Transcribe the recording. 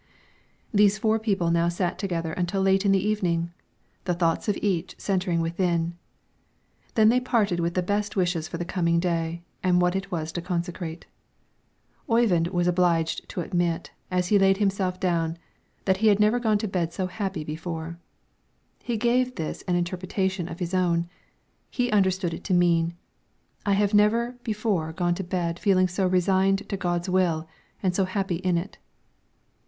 These four people now sat together until late in the evening, the thoughts of each centering within; then they parted with the best wishes for the coming day and what it was to consecrate. Oyvind was obliged to admit, as he laid himself down, that he had never gone to bed so happy before; he gave this an interpretation of his own, he understood it to mean: I have never before gone to bed feeling so resigned to God's will and so happy in it.